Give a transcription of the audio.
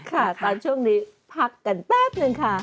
ค่ะตอนช่วงนี้พักกันแป๊บหนึ่งค่ะ